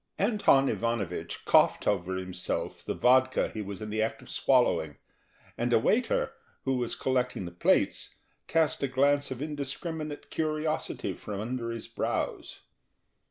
Anton Ivanovich coughed over himself the vodka he was in the act of swallowing, and a waiter, who was collecting the plates, cast a glance of indiscriminate curiosity from under his brows.